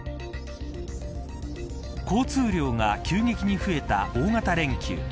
交通量が急激に増えた大型連休。